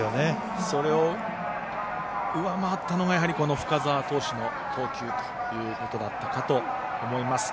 それを上回ったのが深沢投手の投球ということだったかと思います。